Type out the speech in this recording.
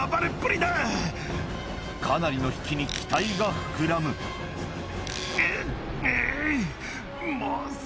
かなりの引きに期待が膨らむうっう。